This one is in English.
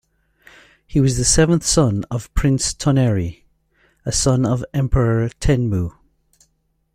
He was the seventh son of Prince Toneri, a son of Emperor Tenmu.